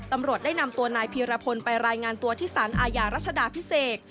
ตำรวจได้นำตัวนายพีรพลไปรายงานตัวที่สารอาญารัชดาพิเศษ